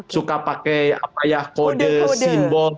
suka pakai apa ya kode simbol